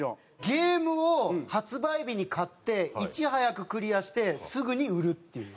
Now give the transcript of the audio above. ゲームを発売日に買っていち早くクリアしてすぐに売るっていう。